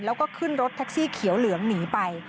แล้วก็ขึ้นรถแท็กซี่เขียวเหลืองหนีไป